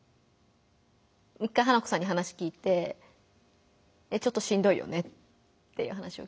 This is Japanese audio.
１回花子さんに話聞いて「えっちょっとしんどいよね」っていう話を聞いて。